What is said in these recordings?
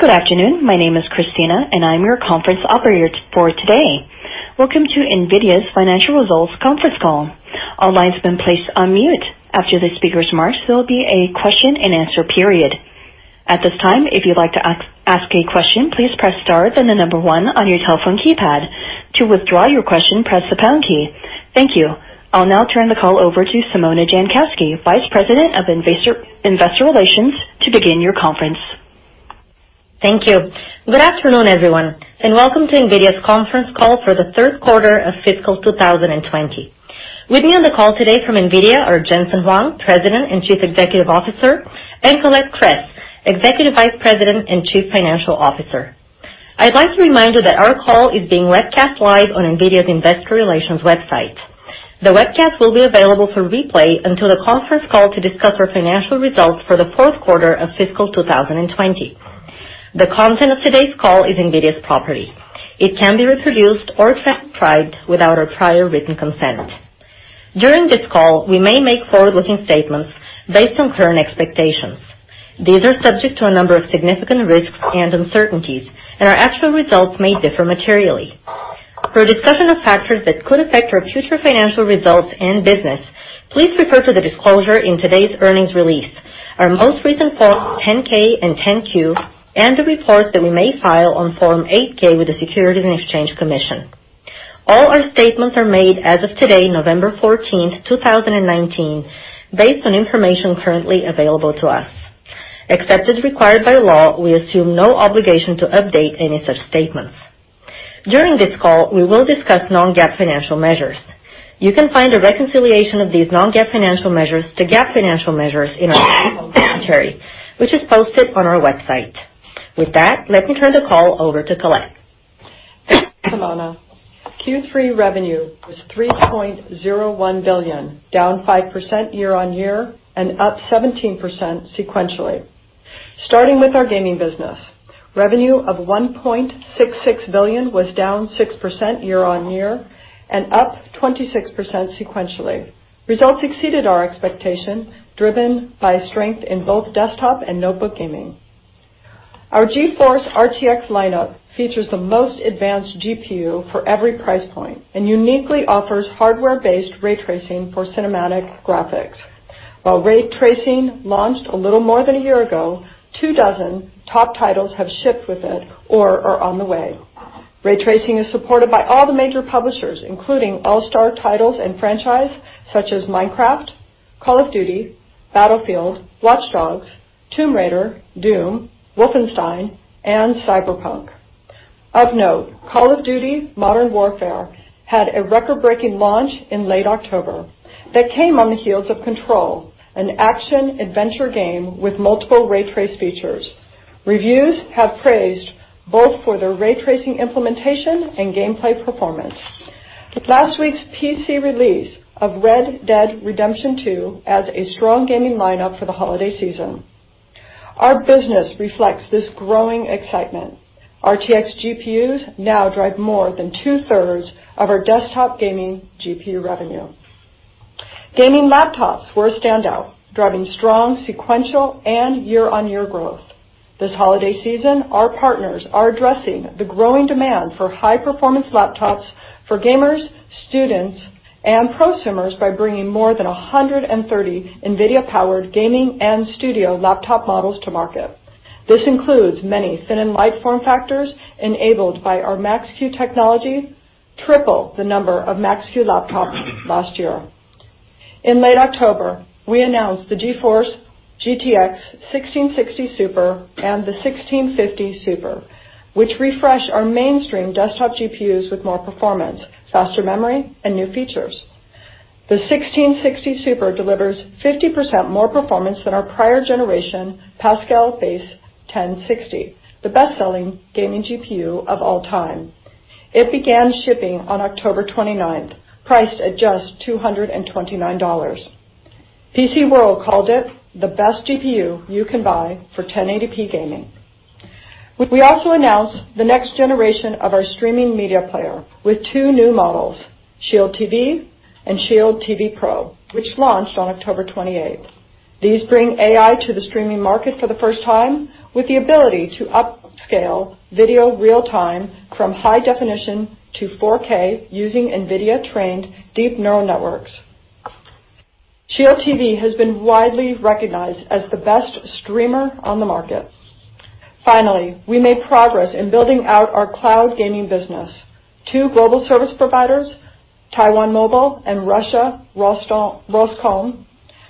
Good afternoon. My name is Christina, and I'm your conference operator for today. Welcome to NVIDIA's Financial results conference call. All lines have been placed on mute. After the speakers remark, there will be a question-and-answer period. At this time, if you'd like to ask a question, please press star then the number one on your telephone keypad. To withdraw your question, press the pound key. Thank you. I'll now turn the call over to Simona Jankowski, Vice President of Investor Relations, to begin your conference. Thank you. Good afternoon, everyone, and welcome to NVIDIA's conference call for the third quarter of fiscal 2020. With me on the call today from NVIDIA are Jensen Huang, President and Chief Executive Officer, and Colette Kress, Executive Vice President and Chief Financial Officer. I'd like to remind you that our call is being webcast live on NVIDIA's investor relations website. The webcast will be available for replay until the conference call to discuss our financial results for the fourth quarter of fiscal 2020. The content of today's call is NVIDIA's property. It can't be reproduced or transcribed without our prior written consent. During this call, we may make forward-looking statements based on current expectations. These are subject to a number of significant risks and uncertainties, and our actual results may differ materially. For a discussion of factors that could affect our future financial results and business, please refer to the disclosure in today's earnings release, our most recent Forms 10-K and 10-Q, and the report that we may file on Form 8-K with the Securities and Exchange Commission. All our statements are made as of today, November 14th, 2019, based on information currently available to us. Except as required by law, we assume no obligation to update any such statements. During this call, we will discuss non-GAAP financial measures. You can find a reconciliation of these non-GAAP financial measures to GAAP financial measures in our recent commentary, which is posted on our website. With that, let me turn the call over to Colette. Simona. Q3 revenue was $3.01 billion, down 5% year-on-year and up 17% sequentially. Starting with our gaming business, revenue of $1.66 billion was down 6% year-on-year and up 26% sequentially. Results exceeded our expectations, driven by strength in both desktop and notebook gaming. Our GeForce RTX lineup features the most advanced GPU for every price point and uniquely offers hardware-based ray tracing for cinematic graphics. While ray tracing launched a little more than a year ago, two dozen top titles have shipped with it or are on the way. Ray tracing is supported by all the major publishers, including all-star titles and franchise such as Minecraft, Call of Duty, Battlefield, Watch Dogs, Tomb Raider, DOOM, Wolfenstein, and Cyberpunk. Of note, Call of Duty: Modern Warfare had a record-breaking launch in late October that came on the heels of Control, an action-adventure game with multiple ray trace features. Reviews have praised both for their ray tracing implementation and gameplay performance. With last week's PC release of Red Dead Redemption 2 as a strong gaming lineup for the holiday season. Our business reflects this growing excitement. RTX GPUs now drive more than two-thirds of our desktop gaming GPU revenue. Gaming laptops were a standout, driving strong sequential and year-on-year growth. This holiday season, our partners are addressing the growing demand for high-performance laptops for gamers, students, and prosumers by bringing more than 130 NVIDIA-powered gaming and studio laptop models to market. This includes many thin and light form factors enabled by our Max-Q technology, triple the number of Max-Q laptops last year. In late October, we announced the GeForce GTX 1660 Super and the 1650 Super, which refresh our mainstream desktop GPUs with more performance, faster memory, and new features. The 1660 SUPER delivers 50% more performance than our prior generation Pascal-based 1060, the best-selling gaming GPU of all time. It began shipping on October 29th, priced at just $229. PCWorld called it the best GPU you can buy for 1080p gaming. We also announced the next generation of our streaming media player with two new models, SHIELD TV and SHIELD TV Pro, which launched on October 28th. These bring AI to the streaming market for the first time with the ability to upscale video real-time from high definition to 4K using NVIDIA-trained deep neural networks. SHIELD TV has been widely recognized as the best streamer on the market. Finally, we made progress in building out our cloud gaming business. Two global service providers, Taiwan Mobile and Russia Rostelecom,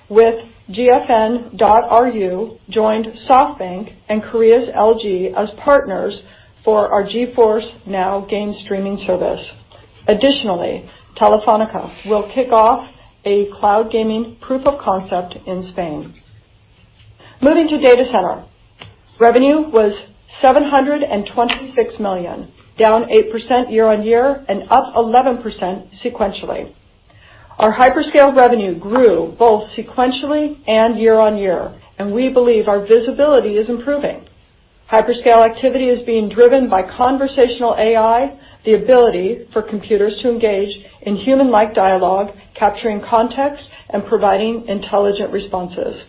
with GFN.RU, joined SoftBank and LG Uplus as partners for our GeForce NOW game streaming service. Additionally, Telefónica will kick off a cloud gaming proof of concept in Spain. Moving to data center. Revenue was $726 million, down 8% year-on-year and up 11% sequentially. Our hyperscale revenue grew both sequentially and year-on-year, and we believe our visibility is improving. Hyperscale activity is being driven by conversational AI, the ability for computers to engage in human-like dialogue, capturing context, and providing intelligent responses.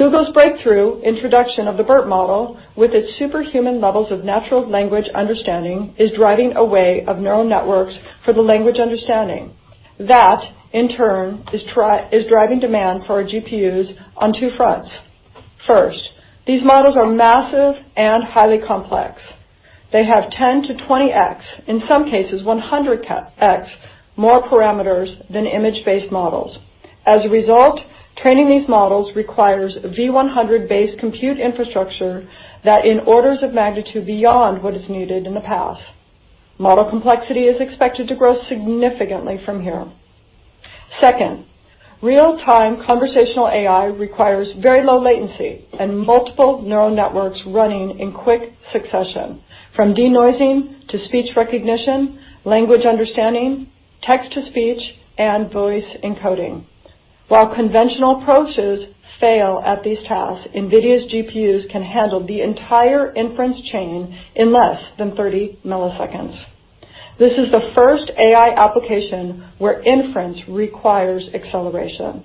Google's breakthrough introduction of the BERT model, with its superhuman levels of natural language understanding, is driving a wave of neural networks for the language understanding. That, in turn, is driving demand for our GPUs on two fronts. First, these models are massive and highly complex. They have 10 to 20X, in some cases, 100X, more parameters than image-based models. As a result, training these models requires V100-based compute infrastructure that is orders of magnitude beyond what is needed in the past. Model complexity is expected to grow significantly from here. Second, real-time conversational AI requires very low latency and multiple neural networks running in quick succession, from denoising to speech recognition, language understanding, text-to-speech, and voice encoding. While conventional approaches fail at these tasks, NVIDIA's GPUs can handle the entire inference chain in less than 30 milliseconds. This is the first AI application where inference requires acceleration.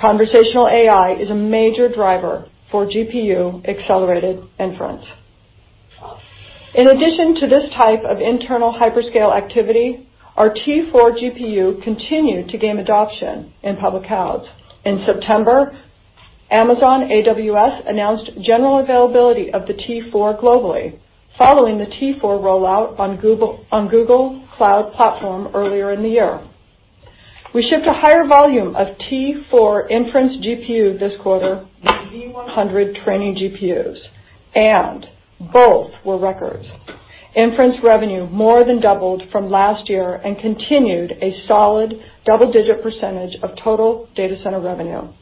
Conversational AI is a major driver for GPU-accelerated inference. In addition to this type of internal hyperscale activity, our T4 GPU continued to gain adoption in public clouds. In September, Amazon AWS announced general availability of the T4 globally, following the T4 rollout on Google Cloud Platform earlier in the year. We shipped a higher volume of T4 inference GPU this quarter than V100 training GPUs, and both were records. Inference revenue more than doubled from last year and continued a solid double-digit percentage of total data center revenue.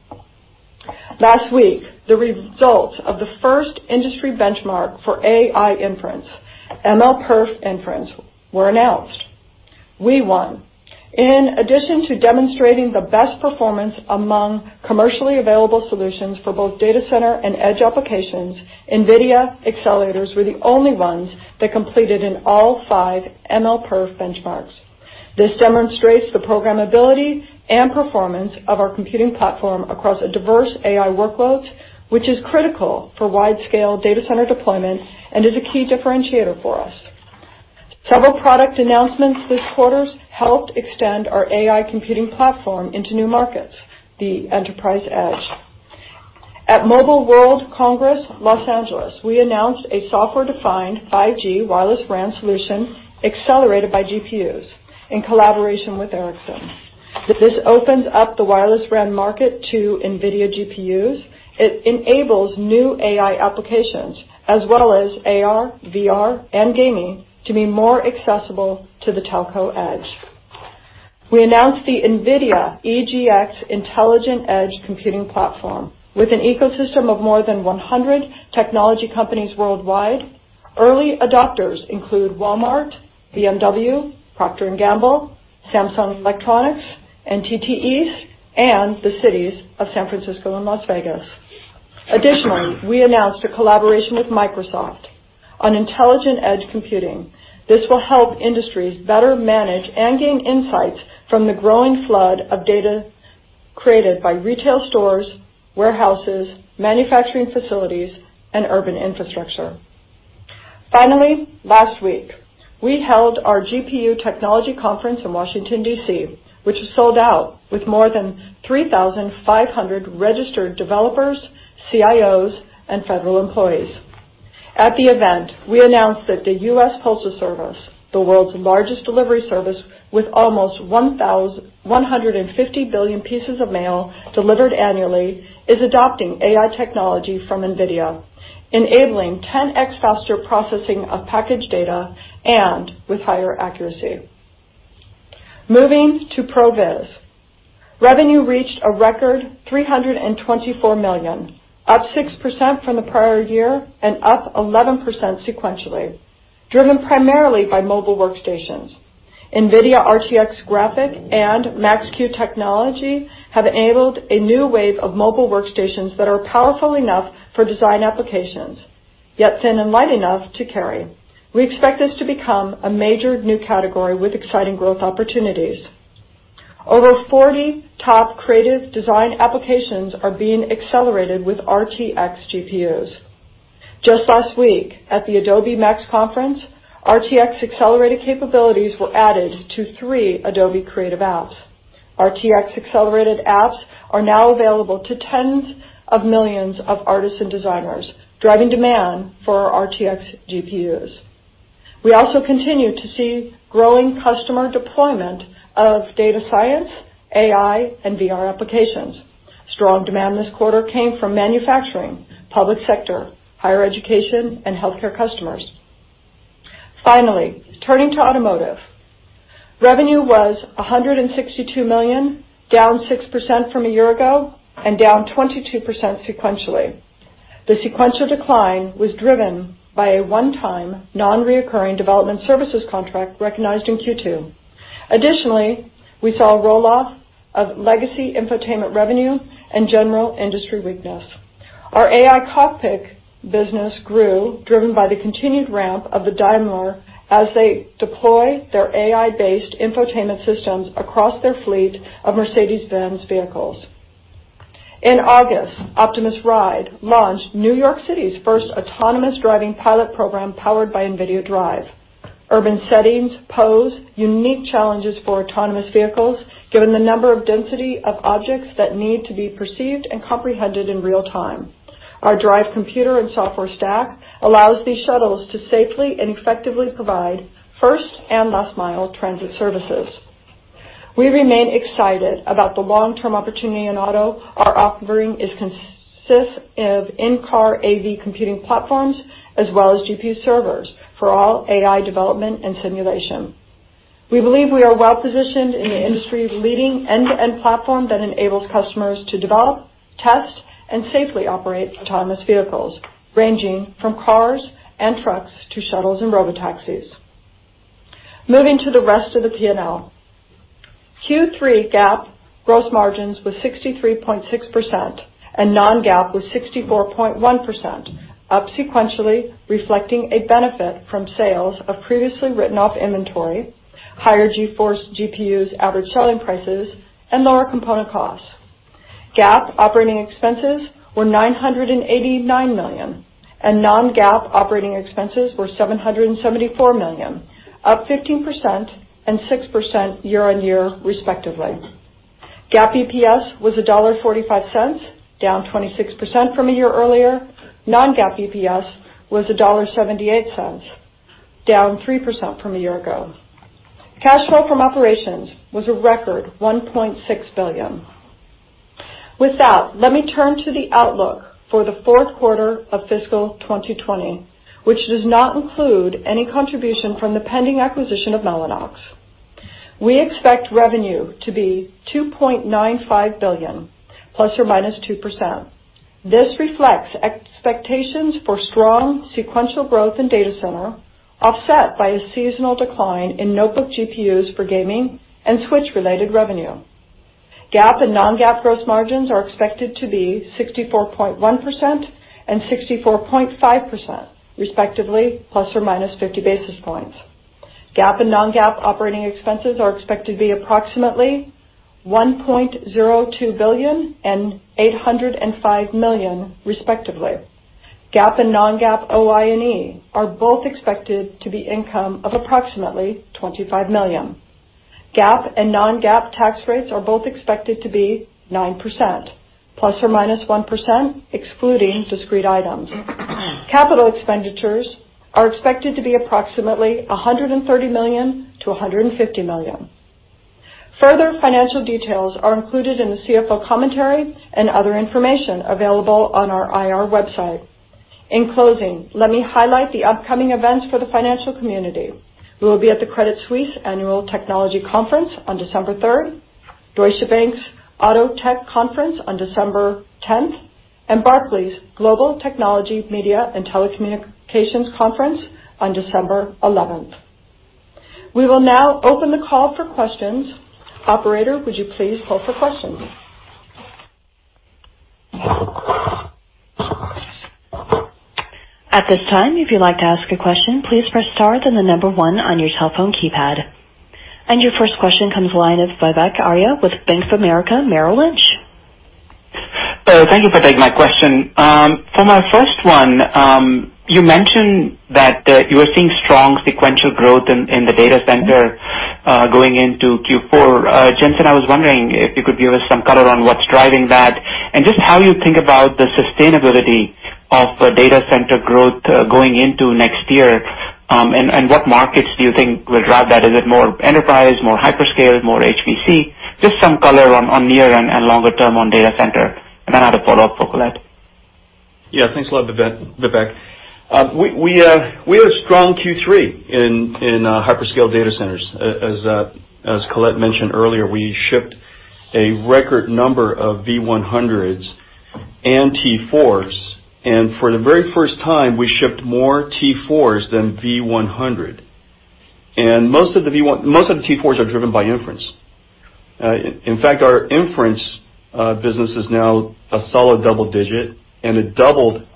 Last week, the results of the first industry benchmark for AI inference, MLPerf Inference, were announced. We won. In addition to demonstrating the best performance among commercially available solutions for both data center and edge applications, NVIDIA accelerators were the only ones that completed in all five MLPerf benchmarks. This demonstrates the programmability and performance of our computing platform across a diverse AI workload, which is critical for wide-scale data center deployment and is a key differentiator for us. Several product announcements this quarter helped extend our AI computing platform into new markets, the enterprise edge. At Mobile World Congress, L.A., we announced a software-defined 5G wireless RAN solution accelerated by GPUs in collaboration with Ericsson. This opens up the wireless RAN market to NVIDIA GPUs. It enables new AI applications, as well as AR, VR, and gaming, to be more accessible to the telco edge. We announced the NVIDIA EGX Intelligent Edge Computing Platform, with an ecosystem of more than 100 technology companies worldwide. Early adopters include Walmart, BMW, Procter & Gamble, Samsung Electronics, NTT East, and the cities of San Francisco and Las Vegas. We announced a collaboration with Microsoft on intelligent edge computing. This will help industries better manage and gain insights from the growing flood of data created by retail stores, warehouses, manufacturing facilities, and urban infrastructure. Last week, we held our GPU technology conference in Washington, D.C., which was sold out with more than 3,500 registered developers, CIOs, and federal employees. At the event, we announced that the U.S. Postal Service, the world's largest delivery service with almost 150 billion pieces of mail delivered annually, is adopting AI technology from NVIDIA, enabling 10X faster processing of package data and with higher accuracy. Moving to ProViz. Revenue reached a record $324 million, up 6% from the prior year and up 11% sequentially, driven primarily by mobile workstations. NVIDIA RTX Graphic and Max-Q technology have enabled a new wave of mobile workstations that are powerful enough for design applications, yet thin and light enough to carry. We expect this to become a major new category with exciting growth opportunities. Over 40 top creative design applications are being accelerated with RTX GPUs. Just last week at the Adobe MAX conference, RTX accelerated capabilities were added to three Adobe Creative apps. RTX accelerated apps are now available to tens of millions of artists and designers, driving demand for our RTX GPUs. We also continue to see growing customer deployment of data science, AI, and VR applications. Strong demand this quarter came from manufacturing, public sector, higher education, and healthcare customers. Turning to Automotive. Revenue was $162 million, down 6% from a year ago and down 22% sequentially. The sequential decline was driven by a one-time, non-reoccurring development services contract recognized in Q2. We saw a roll-off of legacy infotainment revenue and general industry weakness. Our AI cockpit business grew, driven by the continued ramp of the Daimler as they deploy their AI-based infotainment systems across their fleet of Mercedes-Benz vehicles. In August, Optimus Ride launched New York City's first autonomous driving pilot program powered by NVIDIA DRIVE. Urban settings pose unique challenges for autonomous vehicles, given the number of density of objects that need to be perceived and comprehended in real time. Our DRIVE computer and software stack allows these shuttles to safely and effectively provide first and last mile transit services. We remain excited about the long-term opportunity in auto. Our offering consists of in-car AV computing platforms, as well as GPU servers for all AI development and simulation. We believe we are well-positioned in the industry's leading end-to-end platform that enables customers to develop, test, and safely operate autonomous vehicles, ranging from cars and trucks to shuttles and robotaxis. Moving to the rest of the P&L. Q3 GAAP gross margins was 63.6%, and non-GAAP was 64.1%, up sequentially reflecting a benefit from sales of previously written off inventory, higher GeForce GPUs average selling prices, and lower component costs. GAAP operating expenses were $989 million, and non-GAAP operating expenses were $774 million, up 15% and 6% year-on-year respectively. GAAP EPS was $1.45, down 26% from a year earlier. Non-GAAP EPS was $1.78, down 3% from a year ago. Cash flow from operations was a record $1.6 billion. With that, let me turn to the outlook for the fourth quarter of fiscal 2020, which does not include any contribution from the pending acquisition of Mellanox. We expect revenue to be $2.95 billion ±2%. This reflects expectations for strong sequential growth in data center, offset by a seasonal decline in notebook GPUs for gaming and switch-related revenue. GAAP and non-GAAP gross margins are expected to be 64.1% and 64.5% respectively, ±50 basis points. GAAP and non-GAAP operating expenses are expected to be approximately $1.02 billion and $805 million respectively. GAAP and non-GAAP OI&E are both expected to be income of approximately $25 million. GAAP and non-GAAP tax rates are both expected to be 9% ±1%, excluding discrete items. Capital expenditures are expected to be approximately $130 million-$150 million. Further financial details are included in the CFO commentary and other information available on our IR website. In closing, let me highlight the upcoming events for the financial community. We will be at the Credit Suisse Annual Technology Conference on December 3rd, Deutsche Bank's Auto Tech Conference on December 10th, and Barclays Global Technology Media and Telecommunications Conference on December 11th. We will now open the call for questions. Operator, would you please pull for questions? At this time, if you'd like to ask a question, please press star then the number one on your telephone keypad. Your first question comes from the line of Vivek Arya with Bank of America, Merrill Lynch. Thank you for taking my question. For my first one, you mentioned that you are seeing strong sequential growth in the data center going into Q4. Jensen, I was wondering if you could give us some color on what's driving that, and just how you think about the sustainability of data center growth going into next year, and what markets do you think will drive that? Is it more enterprise, more hyperscale, more HPC? Just some color on near and longer term on data center. I have a follow-up for Colette. Yeah, thanks a lot, Vivek. We had a strong Q3 in hyperscale data centers. As Colette mentioned earlier, we shipped a record number of V100s and T4s, and for the very first time, we shipped more T4s than V100. Most of the T4s are driven by inference. In fact, our inference business is now a solid double digit, and it doubled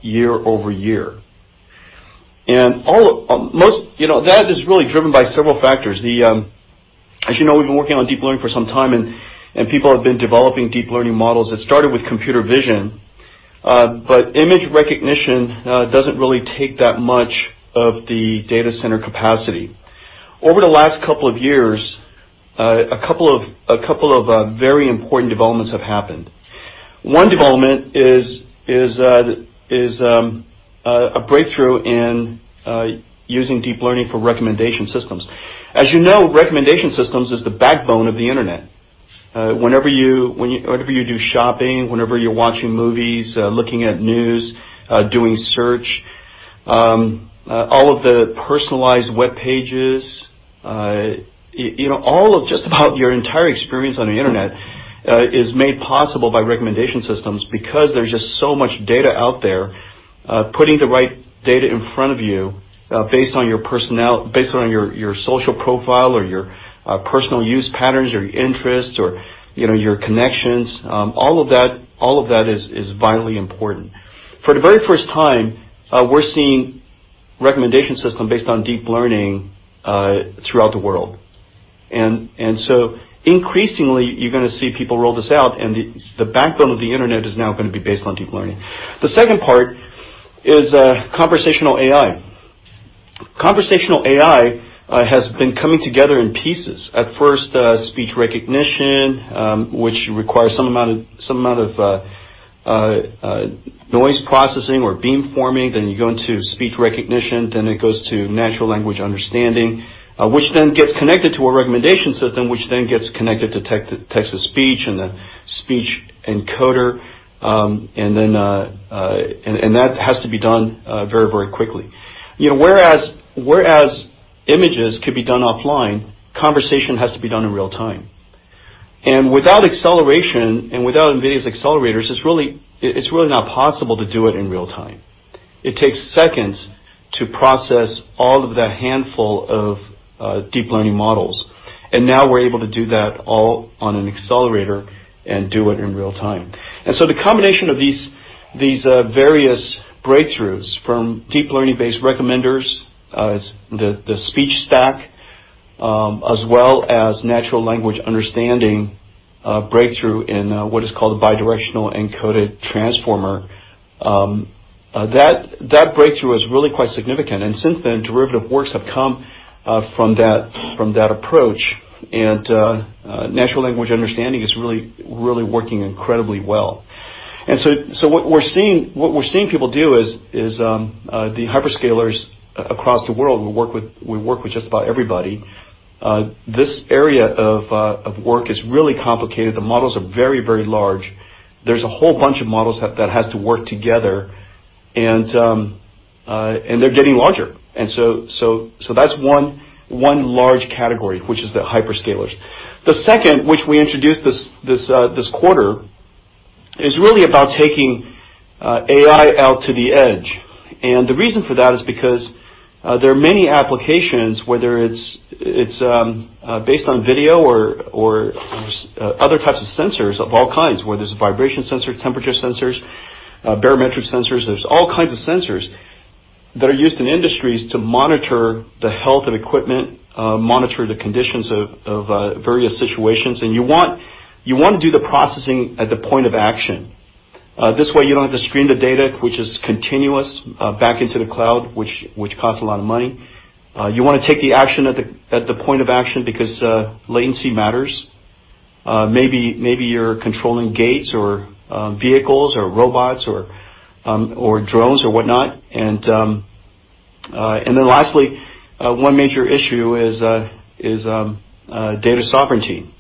year-over-year. That is really driven by several factors. As you know, we've been working on deep learning for some time, and people have been developing deep learning models that started with computer vision, but image recognition doesn't really take that much of the data center capacity. Over the last couple of years, a couple of very important developments have happened. One development is a breakthrough in using deep learning for recommendation systems. As you know, recommendation systems is the backbone of the internet. Whenever you do shopping, whenever you're watching movies, looking at news, doing search, all of the personalized web pages, just about your entire experience on the internet is made possible by recommendation systems because there's just so much data out there. Putting the right data in front of you based on your social profile or your personal use patterns, your interests or your connections, all of that is vitally important. For the very first time, we're seeing recommendation system based on deep learning throughout the world. Increasingly, you're going to see people roll this out, and the backbone of the internet is now going to be based on deep learning. The second part is conversational AI. Conversational AI has been coming together in pieces. At first, speech recognition, which requires some amount of noise processing or beamforming, then you go into speech recognition, then it goes to natural language understanding which then gets connected to a recommendation system, which then gets connected to text-to-speech and the speech encoder, and that has to be done very quickly. Whereas images could be done offline, conversation has to be done in real time. Without acceleration and without NVIDIA's accelerators, it's really not possible to do it in real time. It takes seconds to process all of the handful of deep learning models. Now we're able to do that all on an accelerator and do it in real time. The combination of these various breakthroughs from deep learning-based recommenders, the speech stack, as well as natural language understanding breakthrough in what is called a bidirectional encoder transformer. That breakthrough is really quite significant, and since then, derivative works have come from that approach, and natural language understanding is really working incredibly well. What we're seeing people do is the hyperscalers across the world. We work with just about everybody. This area of work is really complicated. The models are very large. There's a whole bunch of models that have to work together, and they're getting larger. That's one large category, which is the hyperscalers. The second, which we introduced this quarter, is really about taking AI out to the edge. The reason for that is because there are many applications, whether it's based on video or other types of sensors of all kinds, whether it's vibration sensors, temperature sensors, barometric sensors. There's all kinds of sensors that are used in industries to monitor the health of equipment, monitor the conditions of various situations, and you want to do the processing at the point of action. This way, you don't have to stream the data, which is continuous back into the cloud, which costs a lot of money. You want to take the action at the point of action because latency matters. Maybe you're controlling gates or vehicles or robots or drones or whatnot. Lastly, one major issue is data sovereignty.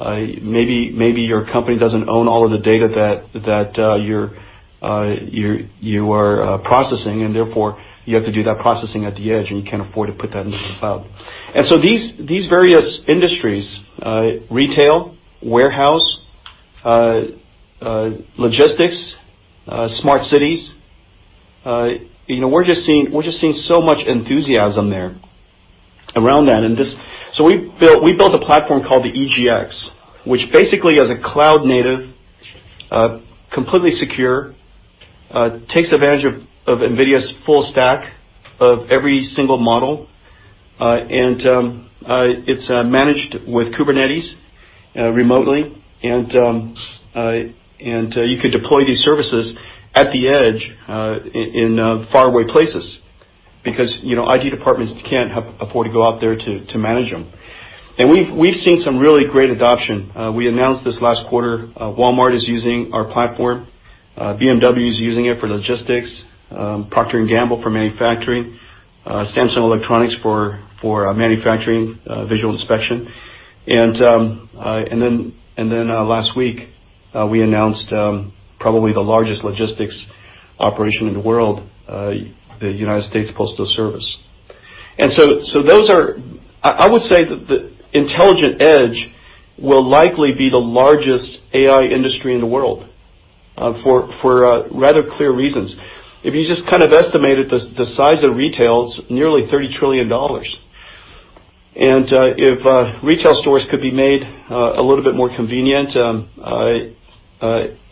Maybe your company doesn't own all of the data that you are processing, and therefore, you have to do that processing at the edge, and you can't afford to put that into the cloud. These various industries, retail, warehouse, logistics, smart cities, we're just seeing so much enthusiasm there around that. We built a platform called the EGX, which basically is a cloud-native, completely secure, takes advantage of NVIDIA's full stack of every single model, and it's managed with Kubernetes remotely. You could deploy these services at the edge in faraway places because IT departments can't afford to go out there to manage them. We've seen some really great adoption. We announced this last quarter. Walmart is using our platform. BMW is using it for logistics, Procter & Gamble for manufacturing, Samsung Electronics for manufacturing visual inspection. Last week, we announced probably the largest logistics operation in the world, the United States Postal Service. I would say that intelligent edge will likely be the largest AI industry in the world for rather clear reasons. If you just estimated the size of retail, it's nearly $30 trillion. If retail stores could be made a little bit more convenient,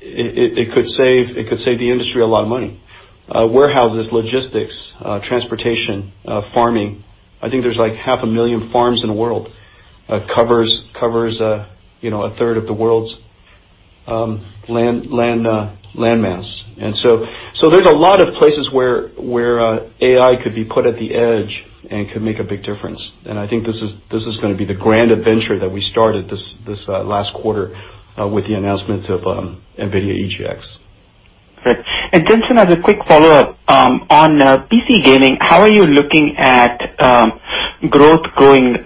it could save the industry a lot of money. Warehouses, logistics, transportation, farming, I think there's 500,000 farms in the world, covers a third of the world's land mass. There's a lot of places where AI could be put at the edge and could make a big difference, and I think this is going to be the grand adventure that we started this last quarter with the announcement of NVIDIA EGX. Great. Jensen, as a quick follow-up, on PC gaming, how are you looking at growth going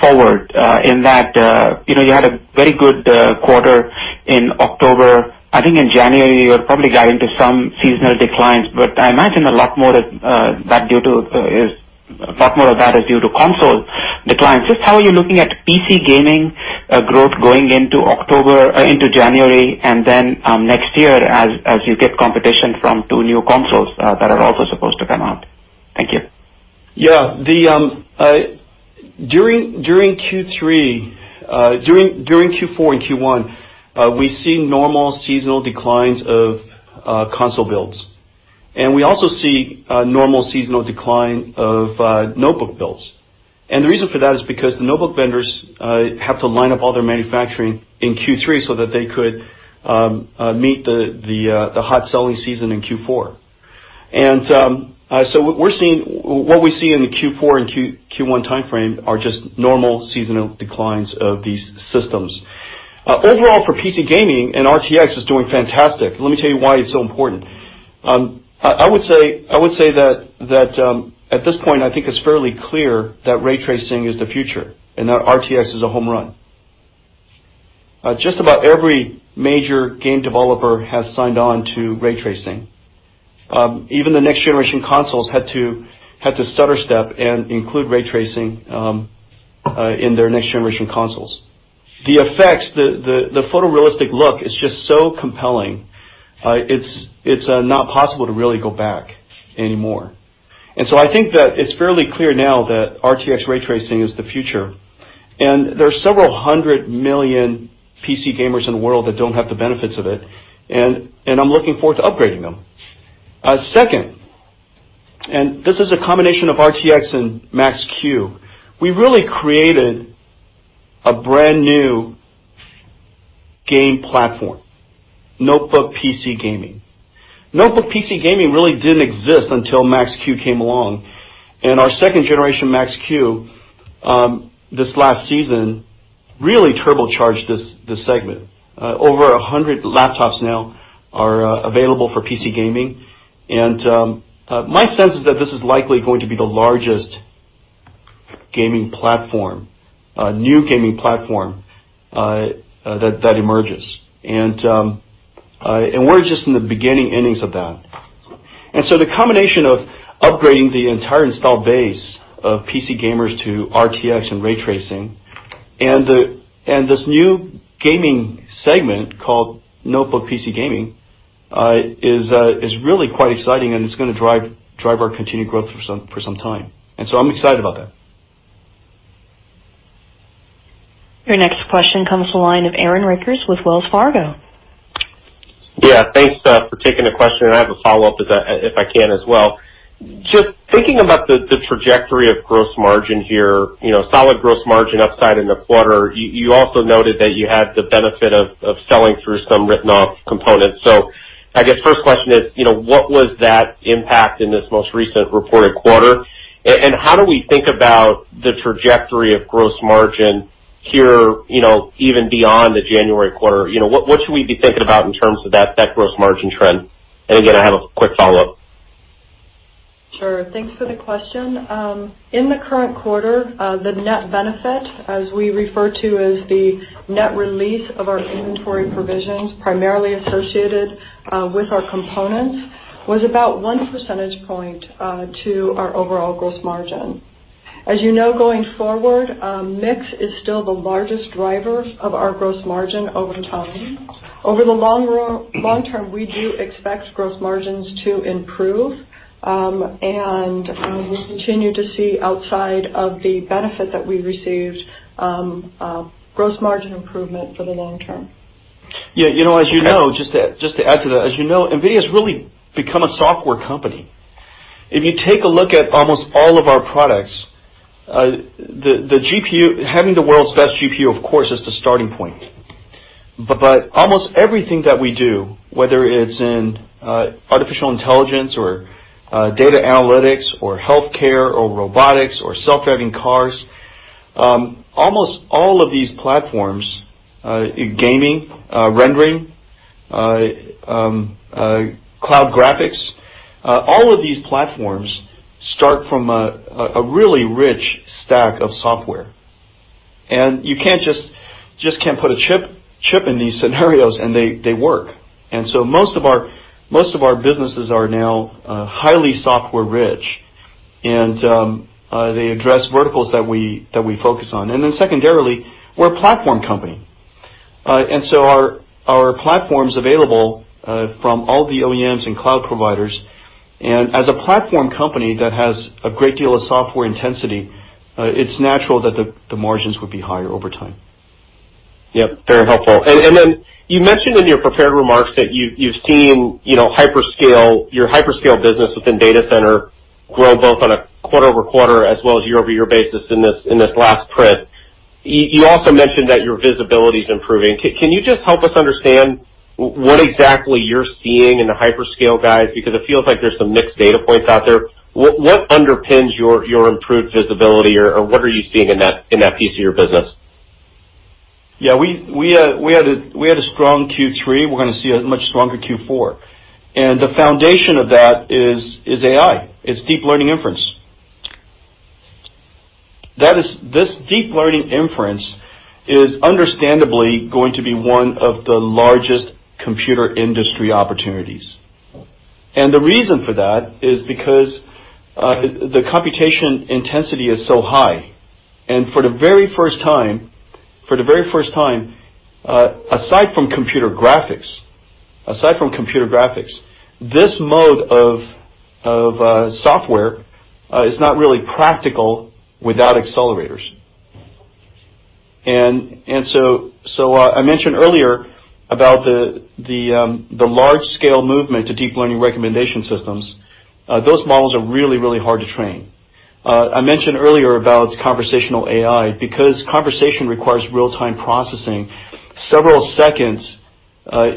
forward in that you had a very good quarter in October. I think in January, you're probably going into some seasonal declines, but I imagine a lot more of that is due to console declines. Just how are you looking at PC gaming growth going into January and then next year, as you get competition from two new consoles that are also supposed to come out? Thank you. Yeah. During Q4 and Q1, we see normal seasonal declines of console builds. We also see a normal seasonal decline of notebook builds. The reason for that is because the notebook vendors have to line up all their manufacturing in Q3 so that they could meet the hot selling season in Q4. What we see in the Q4 and Q1 timeframe are just normal seasonal declines of these systems. Overall, for PC gaming and RTX is doing fantastic. Let me tell you why it's so important. I would say that at this point, I think it's fairly clear that ray tracing is the future and that RTX is a home run. Just about every major game developer has signed on to ray tracing. Even the next generation consoles had to stutter step and include ray tracing in their next generation consoles. The effects, the photorealistic look is just so compelling. It's not possible to really go back anymore. So I think that it's fairly clear now that RTX ray tracing is the future, and there are several hundred million PC gamers in the world that don't have the benefits of it, and I'm looking forward to upgrading them. Second, this is a combination of RTX and Max-Q, we really created a brand new game platform, Notebook PC gaming. Notebook PC gaming really didn't exist until Max-Q came along. Our second generation Max-Q, this last season, really turbocharged this segment. Over 100 laptops now are available for PC gaming. My sense is that this is likely going to be the largest gaming platform, new gaming platform, that emerges. We're just in the beginning innings of that. The combination of upgrading the entire installed base of PC gamers to RTX and ray tracing and this new gaming segment called Notebook PC gaming, is really quite exciting and it's going to drive our continued growth for some time. I'm excited about that. Your next question comes to the line of Aaron Rakers with Wells Fargo. Yeah. Thanks, for taking the question, and I have a follow-up if I can as well. Just thinking about the trajectory of gross margin here, solid gross margin upside in the quarter. You also noted that you had the benefit of selling through some written off components. I guess first question is, what was that impact in this most recent reported quarter? How do we think about the trajectory of gross margin here, even beyond the January quarter? What should we be thinking about in terms of that gross margin trend? Again, I have a quick follow-up. Sure. Thanks for the question. In the current quarter, the net benefit, as we refer to as the net release of our inventory provisions, primarily associated with our components, was about one percentage point, to our overall gross margin. As you know, going forward, mix is still the largest driver of our gross margin over time. Over the long term, we do expect gross margins to improve, and we'll continue to see outside of the benefit that we received, gross margin improvement for the long term. Yeah. Just to add to that, as you know, NVIDIA's really become a software company. If you take a look at almost all of our products, having the world's best GPU, of course, is the starting point. Almost everything that we do, whether it's in artificial intelligence or data analytics or healthcare or robotics or self-driving cars, almost all of these platforms, gaming, rendering, cloud graphics, all of these platforms start from a really rich stack of software. You can't just put a chip in these scenarios, and they work. Most of our businesses are now highly software rich. They address verticals that we focus on. Secondarily, we're a platform company. Our platform's available from all the OEMs and cloud providers. As a platform company that has a great deal of software intensity, it's natural that the margins would be higher over time. Yep. Very helpful. You mentioned in your prepared remarks that you've seen your hyperscale business within data center grow both on a quarter-over-quarter as well as year-over-year basis in this last print. You also mentioned that your visibility's improving. Can you just help us understand what exactly you're seeing in the hyperscale guide? It feels like there's some mixed data points out there. What underpins your improved visibility, or what are you seeing in that piece of your business? Yeah, we had a strong Q3. We're going to see a much stronger Q4. The foundation of that is AI. It's deep learning inference. This deep learning inference is understandably going to be one of the largest computer industry opportunities. The reason for that is because the computation intensity is so high. For the very first time, aside from computer graphics, this mode of software is not really practical without accelerators. I mentioned earlier about the large-scale movement to deep learning recommendation systems. Those models are really, really hard to train. I mentioned earlier about conversational AI, because conversation requires real-time processing, several seconds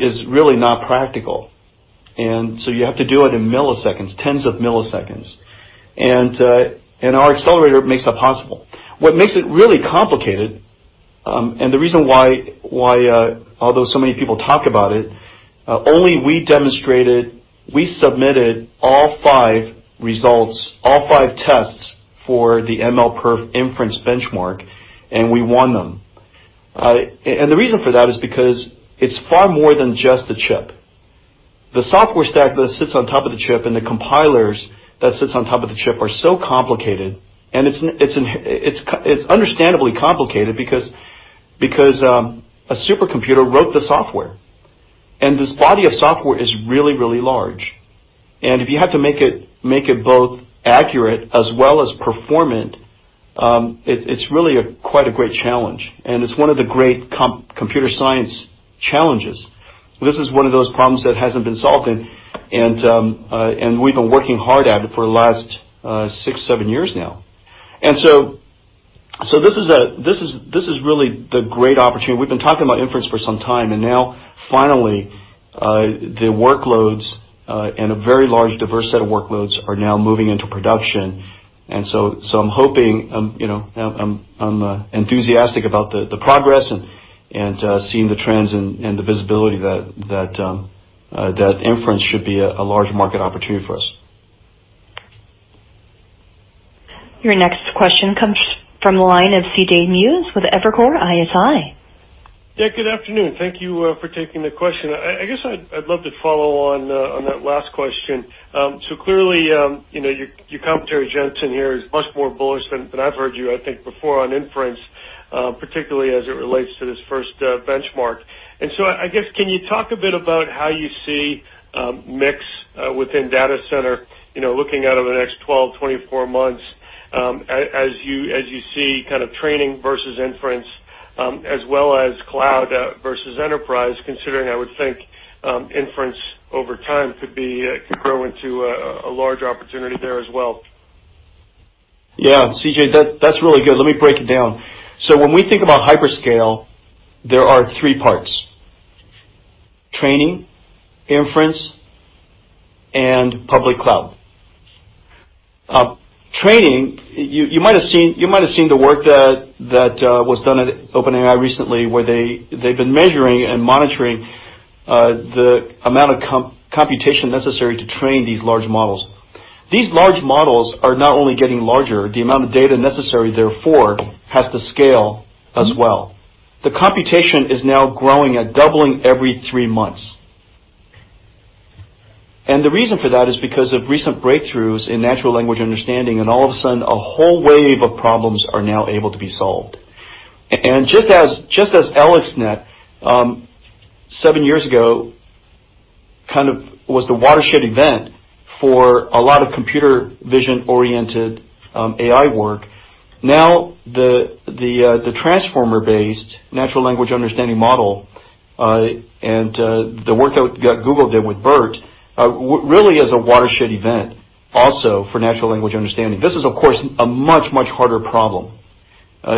is really not practical. You have to do it in milliseconds, tens of milliseconds. Our accelerator makes that possible. What makes it really complicated, the reason why although so many people talk about it, only we demonstrated, we submitted all five results, all five tests for the MLPerf Inference Benchmark, and we won them. The reason for that is because it's far more than just a chip. The software stack that sits on top of the chip and the compilers that sits on top of the chip are so complicated, and it's understandably complicated because a supercomputer wrote the software. This body of software is really, really large. If you have to make it both accurate as well as performant, it's really quite a great challenge, and it's one of the great computer science challenges. This is one of those problems that hasn't been solved, and we've been working hard at it for the last six, seven years now. This is really the great opportunity. We've been talking about inference for some time. Now finally, the workloads and a very large, diverse set of workloads are now moving into production. I'm hoping, I'm enthusiastic about the progress and seeing the trends and the visibility that inference should be a large market opportunity for us. Your next question comes from the line of C.J. Muse with Evercore ISI. Good afternoon. Thank you for taking the question. I guess I'd love to follow on that last question. Clearly, your commentary, Jensen, here is much more bullish than I've heard you, I think, before on inference, particularly as it relates to this first benchmark. I guess, can you talk a bit about how you see mix within data center, looking out over the next 12, 24 months, as you see training versus inference, as well as cloud versus enterprise, considering, I would think, inference over time could grow into a large opportunity there as well? C.J., that's really good. Let me break it down. When we think about hyperscale, there are three parts: training, inference, and public cloud. Training, you might have seen the work that was done at OpenAI recently, where they've been measuring and monitoring the amount of computation necessary to train these large models. These large models are not only getting larger, the amount of data necessary, therefore, has to scale as well. The computation is now growing at doubling every three months. The reason for that is because of recent breakthroughs in natural language understanding, and all of a sudden, a whole wave of problems are now able to be solved. Just as AlexNet, seven years ago, kind of was the watershed event for a lot of computer vision-oriented AI work, now the transformer-based natural language understanding model, and the work that Google did with BERT, really is a watershed event also for natural language understanding. This is, of course, a much, much harder problem. So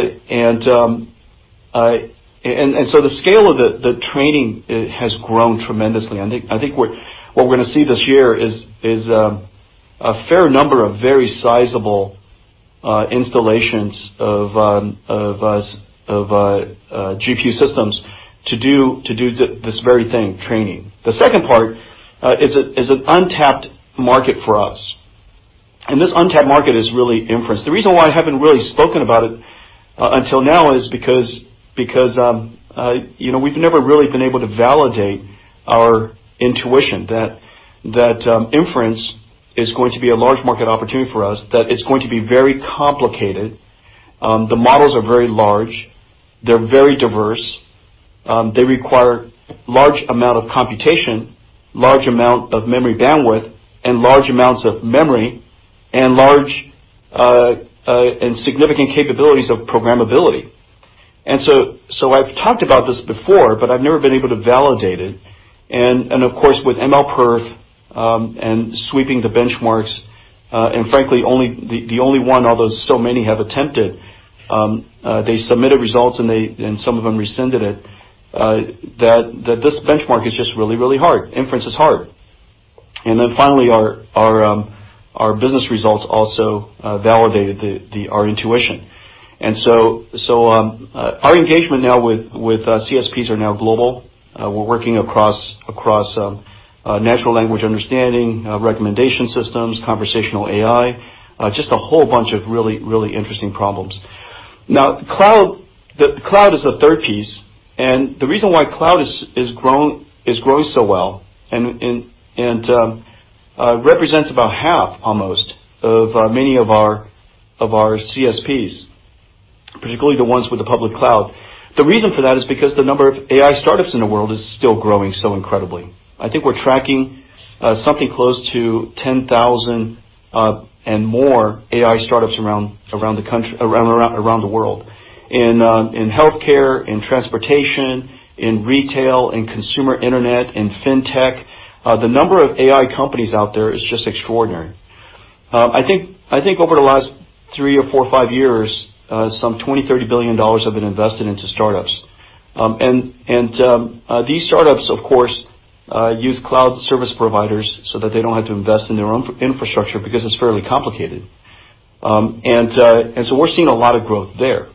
the scale of the training has grown tremendously. I think what we're going to see this year is a fair number of very sizable installations of GPU systems to do this very thing, training. The second part is an untapped market for us. This untapped market is really inference. The reason why I haven't really spoken about it until now is because we've never really been able to validate our intuition that inference is going to be a large market opportunity for us, that it's going to be very complicated. The models are very large. They're very diverse. They require large amount of computation, large amount of memory bandwidth, and large amounts of memory, and significant capabilities of programmability. I've talked about this before, but I've never been able to validate it. Of course, with MLPerf, and sweeping the benchmarks, and frankly, the only one, although so many have attempted. They submitted results and some of them rescinded it, that this benchmark is just really, really hard. Inference is hard. Finally, our business results also validated our intuition. Our engagement now with CSPs are now global. We're working across natural language understanding, recommendation systems, conversational AI, just a whole bunch of really, really interesting problems. Cloud is the third piece, and the reason why cloud is growing so well and represents about half almost of many of our CSPs, particularly the ones with the public cloud. The reason for that is because the number of AI startups in the world is still growing so incredibly. I think we're tracking something close to 10,000 and more AI startups around the world. In healthcare, in transportation, in retail, in consumer internet, in fintech, the number of AI companies out there is just extraordinary. I think over the last three or four or five years, some $20 billion, $30 billion have been invested into startups. These startups, of course, use cloud service providers so that they don't have to invest in their own infrastructure because it's fairly complicated. We're seeing a lot of growth there.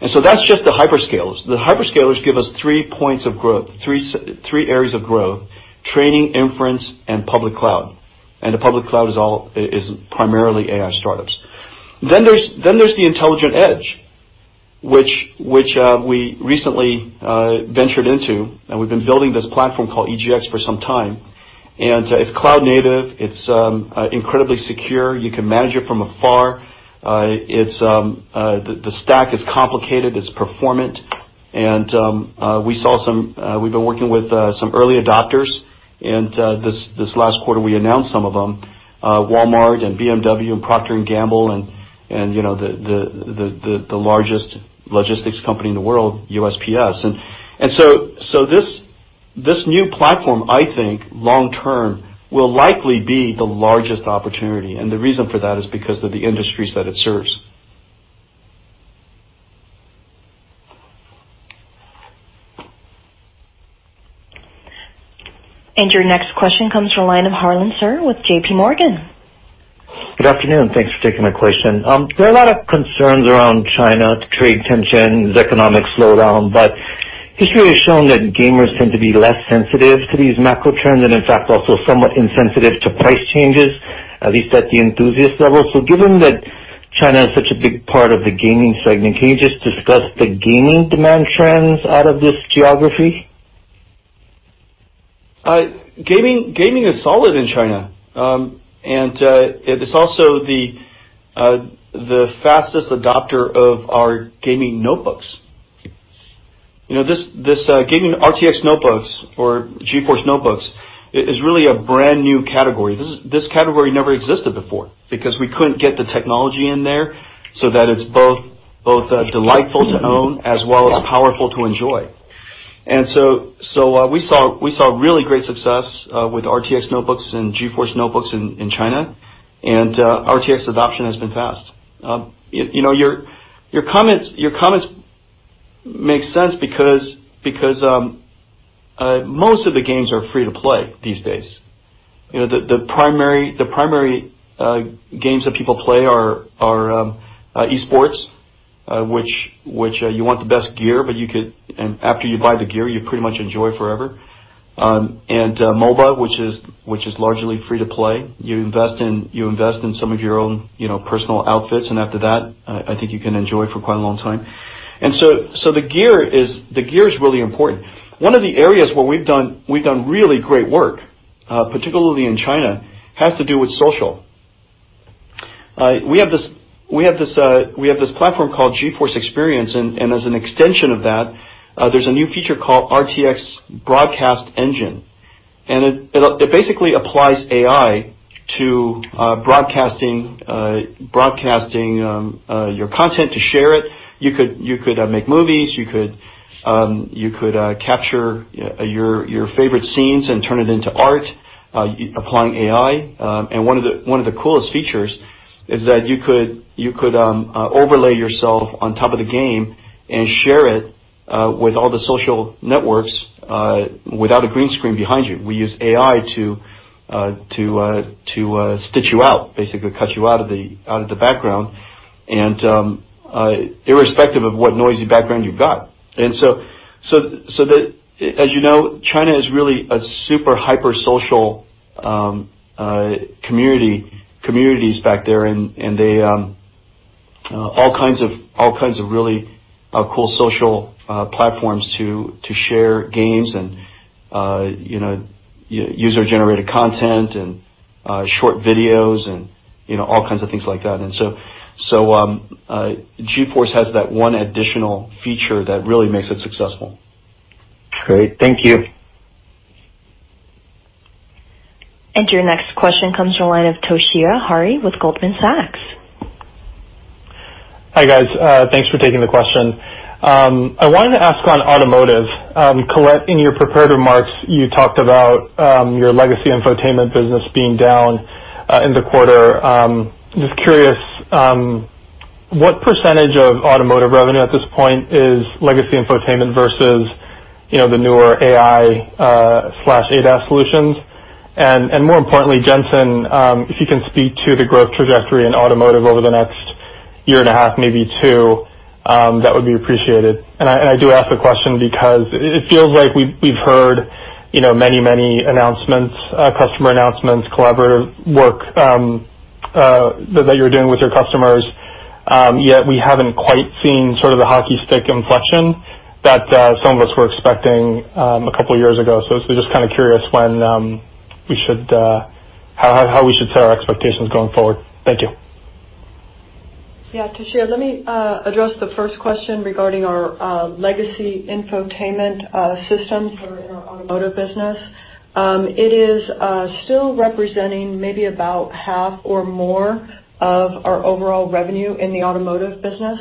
That's just the hyperscalers. The hyperscalers give us three points of growth, three areas of growth: training, inference, and public cloud. The public cloud is primarily AI startups. There's the intelligent edge, which we recently ventured into, and we've been building this platform called EGX for some time, and it's cloud native, it's incredibly secure. You can manage it from afar. The stack is complicated, it's performant, we've been working with some early adopters, and this last quarter, we announced some of them, Walmart, BMW, Procter & Gamble, and the largest logistics company in the world, USPS. This new platform, I think, long term, will likely be the largest opportunity. The reason for that is because of the industries that it serves. Your next question comes from the line of Harlan Sur with JPMorgan. Good afternoon. Thanks for taking my question. History has shown that gamers tend to be less sensitive to these macro trends and in fact, also somewhat insensitive to price changes, at least at the enthusiast level. Given that China is such a big part of the gaming segment, can you just discuss the gaming demand trends out of this geography? Gaming is solid in China. It's also the fastest adopter of our gaming notebooks. Gaming RTX notebooks or GeForce notebooks is really a brand new category. This category never existed before because we couldn't get the technology in there so that it's both delightful to own as well as powerful to enjoy. We saw really great success with RTX notebooks and GeForce notebooks in China. RTX adoption has been fast. Your comments make sense because most of the games are free to play these days. The primary games that people play are esports, which you want the best gear, but after you buy the gear, you pretty much enjoy forever. MOBA, which is largely free to play. You invest in some of your own personal outfits, and after that, I think you can enjoy for quite a long time. The gear is really important. One of the areas where we've done really great work, particularly in China, has to do with social. We have this platform called GeForce Experience, and as an extension of that, there's a new feature called RTX Broadcast Engine. It basically applies AI to broadcasting your content to share it. You could make movies, you could capture your favorite scenes and turn it into art applying AI. One of the coolest features is that you could overlay yourself on top of the game and share it with all the social networks without a green screen behind you. We use AI to stitch you out, basically cut you out of the background and irrespective of what noisy background you've got. As you know, China is really a super hyper social communities back there, and all kinds of really cool social platforms to share games and user-generated content and short videos and all kinds of things like that. GeForce has that one additional feature that really makes it successful. Great. Thank you. Your next question comes from the line of Toshiya Hari with Goldman Sachs. Hi, guys. Thanks for taking the question. I wanted to ask on automotive. Colette, in your prepared remarks, you talked about your legacy infotainment business being down in the quarter. Just curious, what percentage of Automotive revenue at this point is legacy infotainment versus the newer AI/ADAS solutions? More importantly, Jensen, if you can speak to the growth trajectory in Automotive over the next year and a half, maybe two, that would be appreciated. I do ask the question because it feels like we've heard many announcements, customer announcements, collaborative work that you're doing with your customers, yet we haven't quite seen sort of the hockey stick inflection that some of us were expecting a couple of years ago. I was just curious how we should set our expectations going forward? Thank you. Yeah, Toshiya, let me address the first question regarding our legacy infotainment systems for our automotive business. It is still representing maybe about half or more of our overall revenue in the automotive business.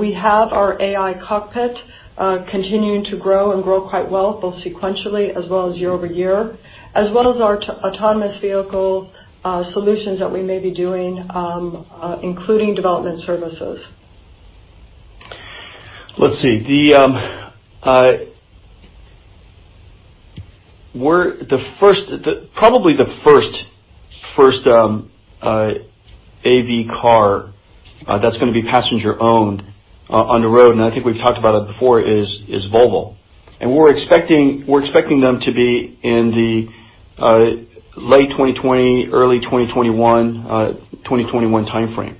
We have our AI cockpit continuing to grow and grow quite well, both sequentially as well as year-over-year, as well as our autonomous vehicle solutions that we may be doing, including development services. Let's see. Probably the first AV car that's going to be passenger-owned on the road, and I think we've talked about it before, is Volvo. We're expecting them to be in the late 2020, early 2021 timeframe.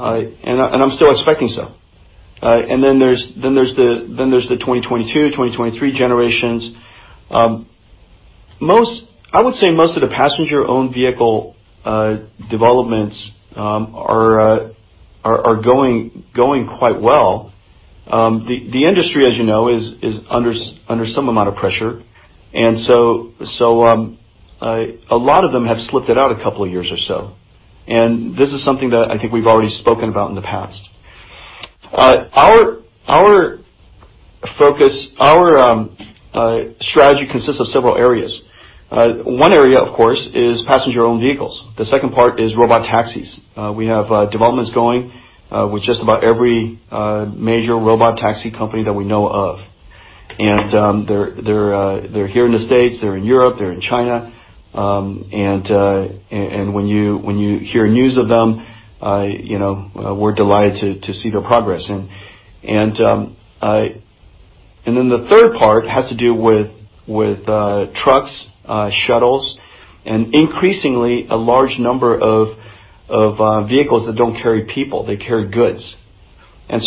I'm still expecting so. There's the 2022, 2023 generations. I would say most of the passenger-owned vehicle developments are going quite well. The industry, as you know, is under some amount of pressure. A lot of them have slipped it out a couple of years or so. This is something that I think we've already spoken about in the past. Our strategy consists of several areas. One area, of course, is passenger-owned vehicles. The second part is robot taxis. We have developments going with just about every major robot taxi company that we know of. They're here in the U.S., they're in Europe, they're in China. When you hear news of them, we're delighted to see their progress. The third part has to do with trucks, shuttles, and increasingly a large number of vehicles that don't carry people, they carry goods. We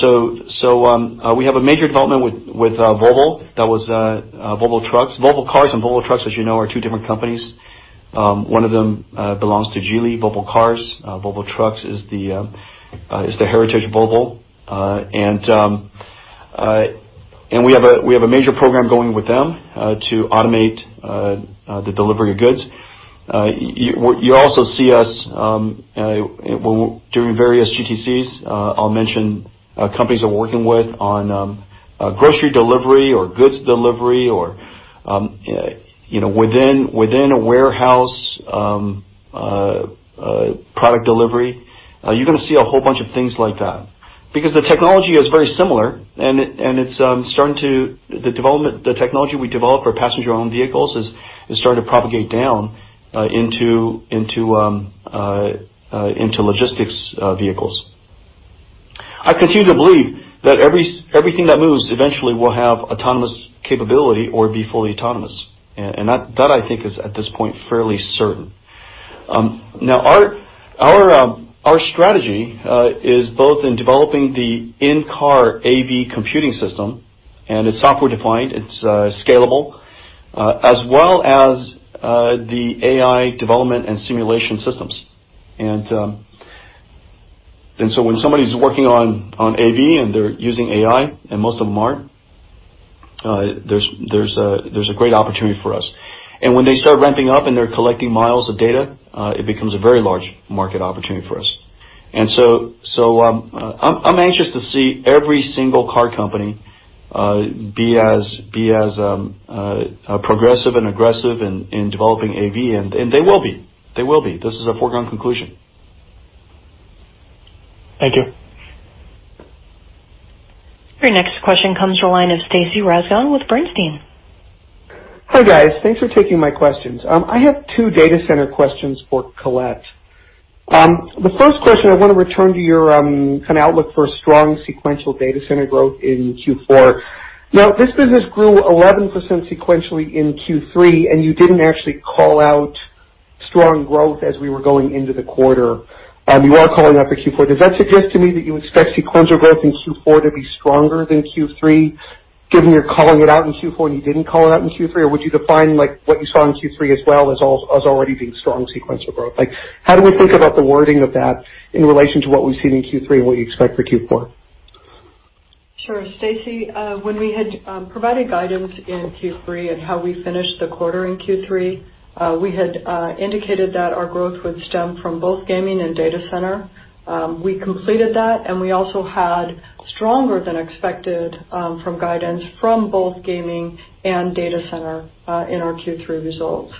have a major development with Volvo, that was Volvo Trucks. Volvo Cars and Volvo Trucks, as you know, are two different companies. One of them belongs to Geely, Volvo Cars. Volvo Trucks is the heritage Volvo. We have a major program going with them to automate the delivery of goods. You also see us during various GTCs, I'll mention companies that we're working with on grocery delivery or goods delivery or within a warehouse, product delivery. You're going to see a whole bunch of things like that because the technology is very similar and the technology we develop for passenger-owned vehicles is starting to propagate down into logistics vehicles. I continue to believe that everything that moves eventually will have autonomous capability or be fully autonomous. That I think is, at this point, fairly certain. Now, our strategy is both in developing the in-car AV computing system, and it's software defined, it's scalable, as well as the AI development and simulation systems. When somebody's working on AV and they're using AI, and most of them aren't, there's a great opportunity for us. When they start ramping up and they're collecting miles of data, it becomes a very large market opportunity for us. I'm anxious to see every single car company be as progressive and aggressive in developing AV, and they will be. This is a foregone conclusion. Thank you. Your next question comes from the line of Stacy Rasgon with Bernstein. Hi, guys. Thanks for taking my questions. I have two data center questions for Colette. The first question, I want to return to your outlook for strong sequential data center growth in Q4. This business grew 11% sequentially in Q3, and you didn't actually call out strong growth as we were going into the quarter. You are calling out for Q4. Does that suggest to me that you expect sequential growth in Q4 to be stronger than Q3, given you're calling it out in Q4 and you didn't call it out in Q3? Would you define what you saw in Q3 as well as already being strong sequential growth? How do we think about the wording of that in relation to what we've seen in Q3 and what you expect for Q4? Sure, Stacy. When we had provided guidance in Q3 and how we finished the quarter in Q3, we had indicated that our growth would stem from both gaming and data center. We completed that, and we also had stronger than expected from guidance from both gaming and data center in our Q3 results.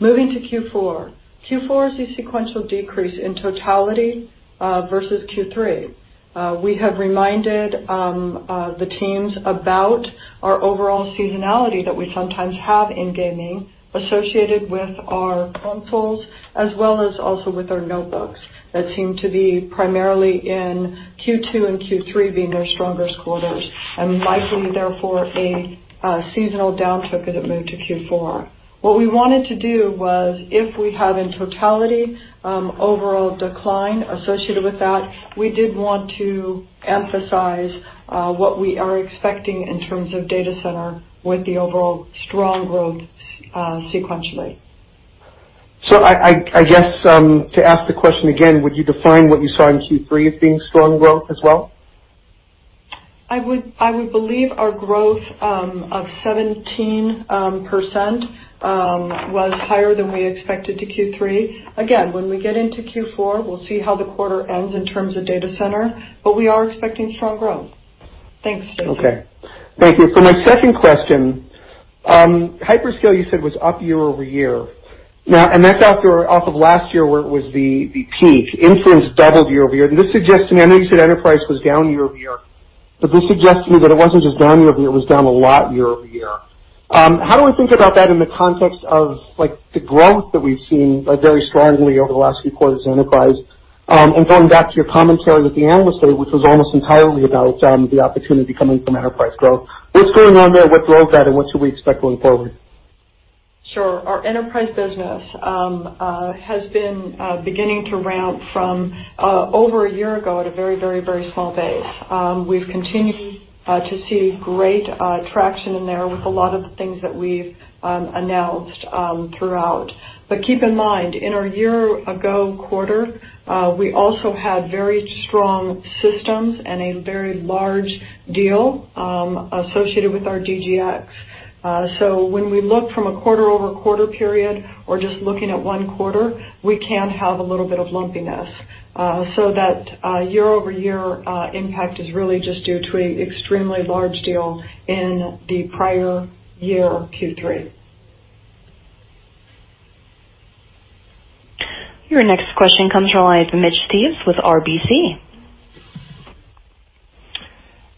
Moving to Q4. Q4 is a sequential decrease in totality versus Q3. We have reminded the teams about our overall seasonality that we sometimes have in gaming associated with our consoles as well as also with our notebooks that seem to be primarily in Q2 and Q3 being their strongest quarters, and likely, therefore, a seasonal downturn as it moved to Q4. What we wanted to do was, if we have in totality, overall decline associated with that, we did want to emphasize what we are expecting in terms of data center with the overall strong growth sequentially. I guess, to ask the question again, would you define what you saw in Q3 as being strong growth as well? I would believe our growth of 17% was higher than we expected to Q3. When we get into Q4, we'll see how the quarter ends in terms of data center, but we are expecting strong growth. Thanks, Stacy. Okay. Thank you. My second question, hyperscale, you said, was up year-over-year. That's off of last year where it was the peak. Inference doubled year-over-year, this suggests to me, I know you said enterprise was down year-over-year, this suggests to me that it wasn't just down year-over-year, it was down a lot year-over-year. How do we think about that in the context of the growth that we've seen very strongly over the last few quarters enterprise, going back to your commentary with the analyst today, which was almost entirely about the opportunity coming from enterprise growth. What's going on there? What drove that, what should we expect going forward? Sure. Our enterprise business has been beginning to ramp from over a year ago at a very small base. We've continued to see great traction in there with a lot of the things that we've announced throughout. Keep in mind, in our year-ago quarter, we also had very strong systems and a very large deal associated with our DGX. When we look from a quarter-over-quarter period or just looking at one quarter, we can have a little bit of lumpiness. That year-over-year impact is really just due to an extremely large deal in the prior year Q3. Your next question comes from the line of Mitch Steves with RBC.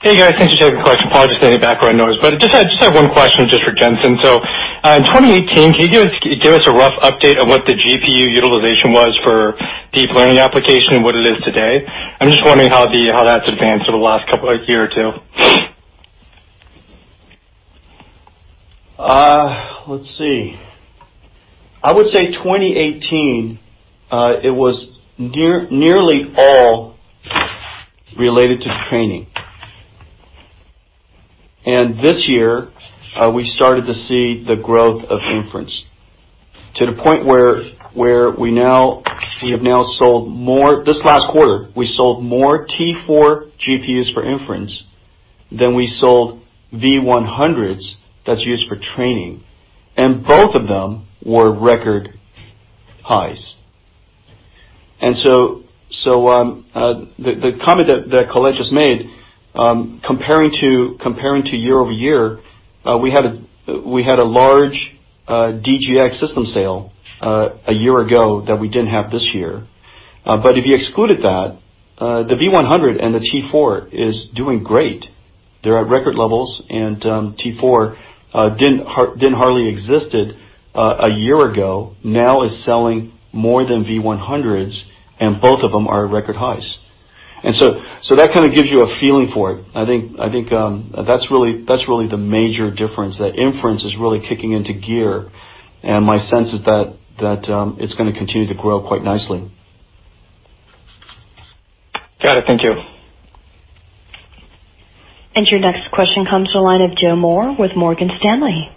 Hey, guys. Thanks for taking the question. Apologies for any background noise, I just had one question just for Jensen. In 2018, can you give us a rough update of what the GPU utilization was for deep learning application and what it is today? I'm just wondering how that's advanced over the last year or two. Let's see. I would say 2018, it was nearly all related to training. This year, we started to see the growth of inference to the point where we have now sold more. This last quarter, we sold more T4 GPUs for inference than we sold V100s that's used for training, and both of them were record highs. The comment that Colette just made, comparing to year-over-year, we had a large DGX system sale a year ago that we didn't have this year. If you excluded that, the V100 and the T4 is doing great. They're at record levels, and T4 didn't hardly existed a year ago, now is selling more than V100s, and both of them are at record highs. That kind of gives you a feeling for it. I think that's really the major difference, that inference is really kicking into gear, and my sense is that it's going to continue to grow quite nicely. Got it. Thank you. Your next question comes to the line of Joe Moore with Morgan Stanley.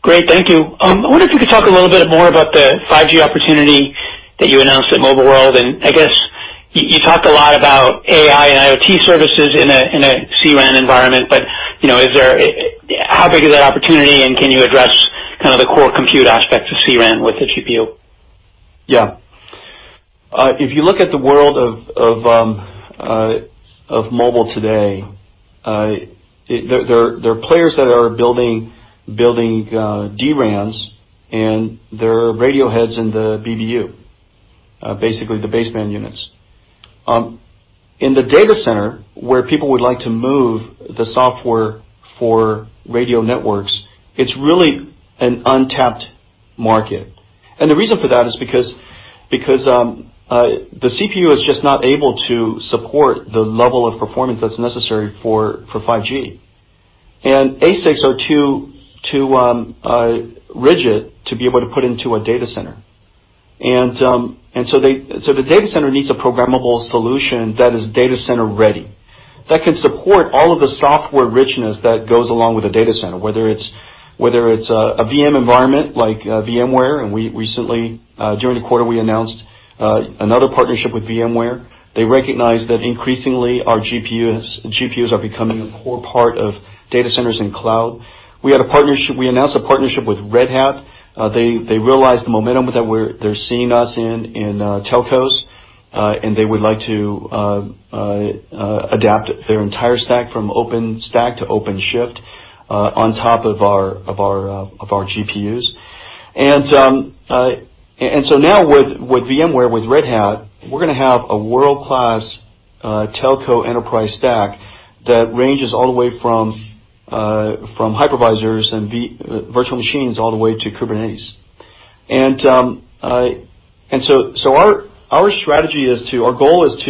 Great. Thank you. I wonder if you could talk a little bit more about the 5G opportunity that you announced at Mobile World, and I guess you talked a lot about AI and IoT services in a C-RAN environment, but how big is that opportunity, and can you address kind of the core compute aspects of C-RAN with the GPU? Yeah. If you look at the world of mobile today, there are players that are building D-RANs and there are radio heads in the BBU, basically the baseband units. In the data center, where people would like to move the software for radio networks, it's really an untapped market. The reason for that is because the CPU is just not able to support the level of performance that's necessary for 5G. ASICs are too rigid to be able to put into a data center. The data center needs a programmable solution that is data center ready, that can support all of the software richness that goes along with a data center, whether it's a VM environment like VMware, and recently during the quarter, we announced another partnership with VMware. They recognize that increasingly our GPUs are becoming a core part of data centers and cloud. We announced a partnership with Red Hat. They realized the momentum that they're seeing us in telcos, and they would like to adapt their entire stack from OpenStack to OpenShift on top of our GPUs. Now with VMware, with Red Hat, we're going to have a world-class telco enterprise stack that ranges all the way from hypervisors and virtual machines all the way to Kubernetes. Our goal is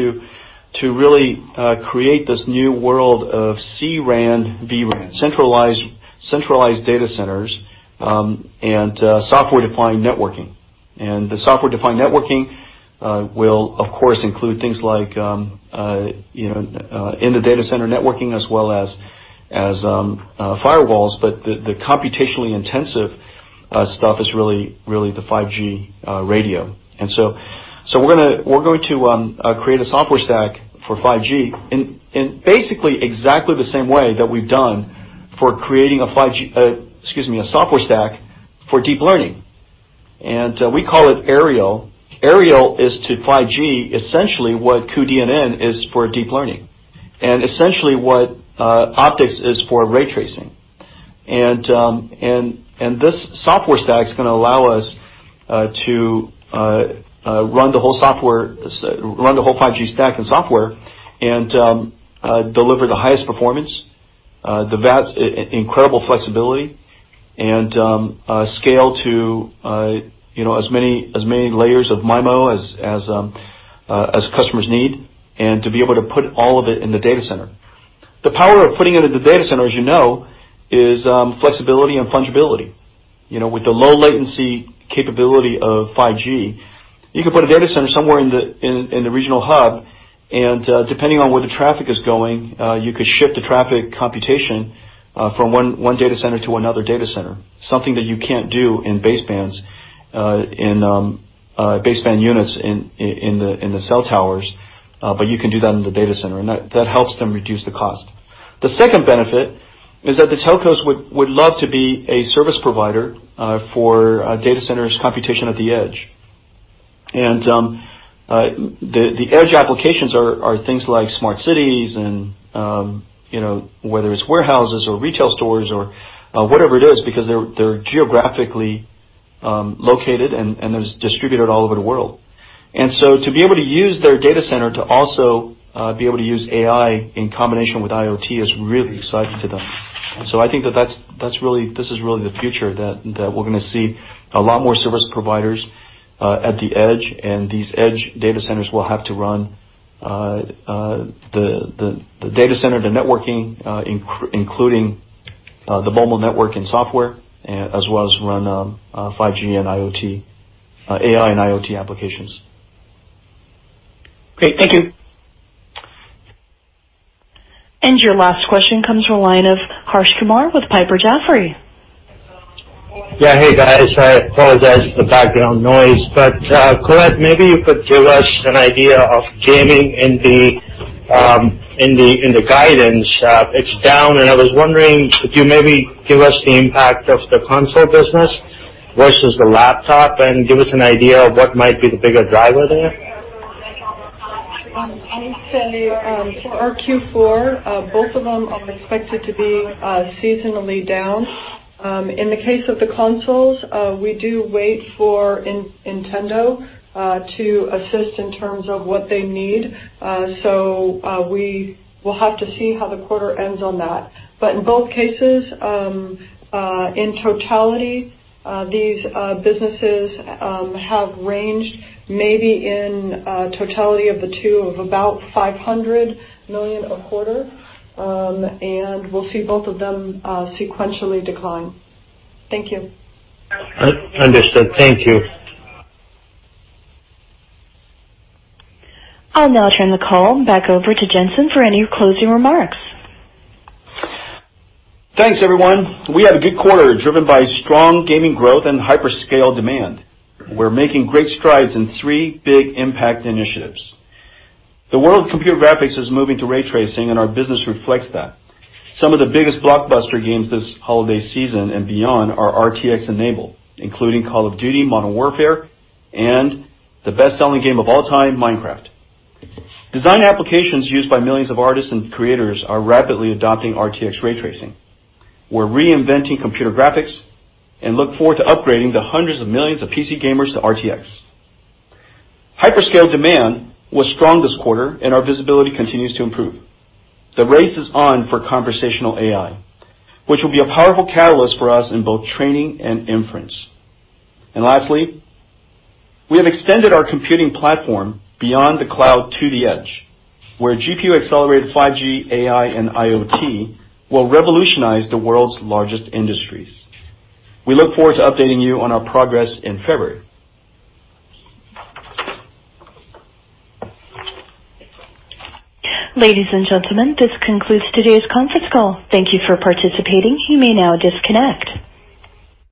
to really create this new world of C-RAN/vRAN, centralized data centers, and software-defined networking. The software-defined networking will, of course, include things like in the data center networking as well as firewalls. The computationally intensive stuff is really the 5G radio. We're going to create a software stack for 5G in basically exactly the same way that we've done for creating a software stack for deep learning. We call it Aerial. Aerial is to 5G, essentially what cuDNN is for deep learning, and essentially what OptiX is for ray tracing. This software stack is going to allow us to run the whole 5G stack and software and deliver the highest performance, incredible flexibility and scale to as many layers of MIMO as customers need, and to be able to put all of it in the data center. The power of putting it in the data center, as you know, is flexibility and fungibility. With the low latency capability of 5G, you can put a data center somewhere in the regional hub, and depending on where the traffic is going, you could shift the traffic computation from one data center to another data center, something that you can't do in baseband units in the cell towers. You can do that in the data center, and that helps them reduce the cost. The edge applications are things like smart cities and whether it's warehouses or retail stores or whatever it is, because they're geographically located and there's distributors all over the world. To be able to use their data center to also be able to use AI in combination with IoT is really exciting to them. I think that this is really the future that we're going to see a lot more service providers at the edge, and these edge data centers will have to run the data center, the networking, including the mobile network and software, as well as run 5G and IoT, AI and IoT applications. Great. Thank you. Your last question comes from the line of Harsh Kumar with Piper Jaffray. Yeah. Hey, guys. I apologize for the background noise. Colette, maybe you could give us an idea of gaming in the guidance. It's down. I was wondering, could you maybe give us the impact of the console business versus the laptop and give us an idea of what might be the bigger driver there? I'd say for our Q4, both of them are expected to be seasonally down. In the case of the consoles, we do wait for Nintendo to assist in terms of what they need. We will have to see how the quarter ends on that. In both cases, in totality, these businesses have ranged maybe in totality of the two of about $500 million a quarter. We'll see both of them sequentially decline. Thank you. Understood. Thank you. I'll now turn the call back over to Jensen for any closing remarks. Thanks, everyone. We had a good quarter, driven by strong gaming growth and hyperscale demand. We're making great strides in three big impact initiatives. The world of computer graphics is moving to ray tracing, and our business reflects that. Some of the biggest blockbuster games this holiday season and beyond are RTX-enabled, including Call of Duty: Modern Warfare and the best-selling game of all time, Minecraft. Design applications used by millions of artists and creators are rapidly adopting RTX ray tracing. We're reinventing computer graphics and look forward to upgrading the hundreds of millions of PC gamers to RTX. Hyperscale demand was strong this quarter, and our visibility continues to improve. The race is on for conversational AI, which will be a powerful catalyst for us in both training and inference. Lastly, we have extended our computing platform beyond the cloud to the edge, where GPU-accelerated 5G AI and IoT will revolutionize the world's largest industries. We look forward to updating you on our progress in February. Ladies and gentlemen, this concludes today's conference call. Thank you for participating. You may now disconnect.